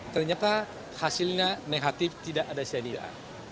ternyata hasilnya negatif tidak ada syariah